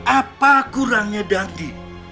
apa kurangnya dandi